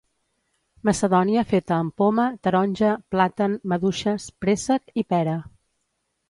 macedònia feta amb poma, taronja, plàtan, maduixes, préssec i pera